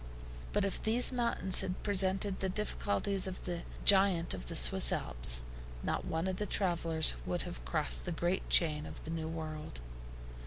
But if these mountains had presented the difficulties of the giant of the Swiss Alps, not one of the travelers could have crossed the great chain of the New World.